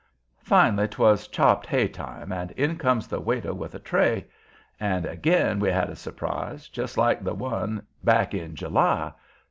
Finally 'twas "chopped hay" time, and in comes the waiter with the tray. And again we had a surprise, just like the one back in July.